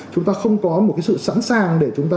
chúng ta không có một cái sự sẵn sàng để chúng ta